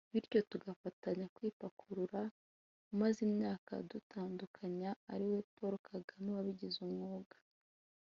bityo tugafatanya kwipakurura umaze imyaka adutandukanya ari we Paul Kagame wabigize umwuga